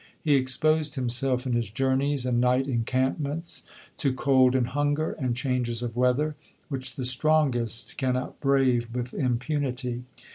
He exposed himself in his journeys and night encampments to cold and hunger, and changes of weather, which the strongest cannot brave with impunity.